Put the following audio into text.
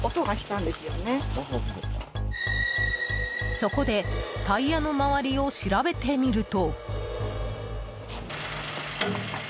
そこでタイヤの周りを調べてみると。